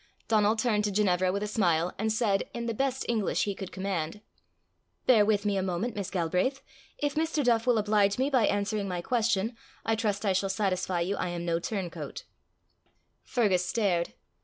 Donal turned to Ginevra with a smile, and said, in the best English he could command "Bear with me a moment, Miss Galbraith. If Mr. Duff will oblige me by answering my question, I trust I shall satisfy you I am no turncoat." Fergus stared.